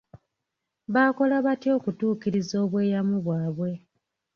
Baakola batya okutuukiriza obweyamu bwabwe?